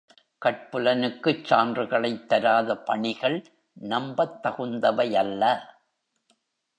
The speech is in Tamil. கட்புலனுக்குச் சான்றுகளைத் தராத பணிகள் நம்பத் தகுந்தவையல்ல.